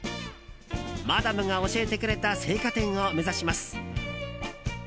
マダムが教えてくれた青果店を目指します。